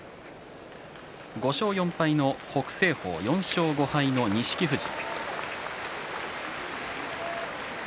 ５勝４敗の北青鵬４勝５敗の錦富士。